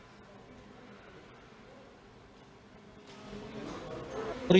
pertama di jerman para mahasiswa yang sedang melakukan program magang di jerman